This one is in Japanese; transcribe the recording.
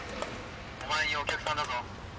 お前にお客さんだぞ。